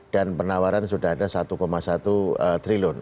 dan penawaran sudah ada satu satu triliun